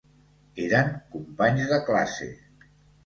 Eren companys de classe.